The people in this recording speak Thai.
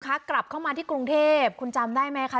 กลับเข้ามาที่กรุงเทพคุณจำได้ไหมคะ